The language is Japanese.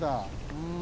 うん。